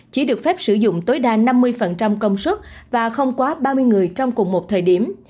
chỉ được phép sử dụng tối đa năm mươi công suất và không quá ba mươi người trong cùng một thời điểm